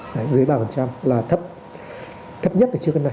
đó là thấp thấp nhất từ trước đến nay